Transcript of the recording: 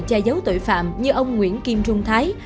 che giấu tội phạm như ông nguyễn kim trung thái